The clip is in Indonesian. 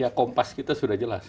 ya kompas kita sudah jelas